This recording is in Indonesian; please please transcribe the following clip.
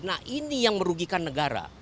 nah ini yang merugikan negara